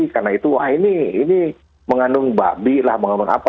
karena itu wah ini ini mengandung babi lah mengandung apa